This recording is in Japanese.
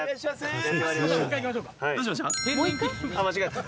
間違えた。